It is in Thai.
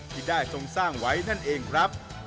ที่ได้ทรงสร้างไว้นั่นเองครับ